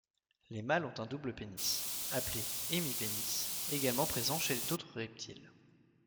Les mâles ont un double pénis, appelé hémipénis, également présent chez d'autres reptiles.